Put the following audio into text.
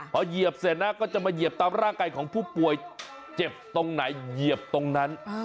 พอเหยียบเสร็จนะก็จะมาเหยียบตามร่างกายของผู้ป่วยเจ็บตรงไหนเหยียบตรงนั้น